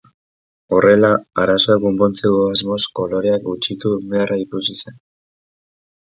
Horrela, arazoa konpontzeko asmoz, koloreak gutxitu beharra ikusi zen.